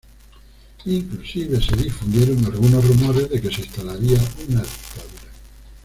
Inclusive se difundieron algunos rumores de que se instalaría una dictadura.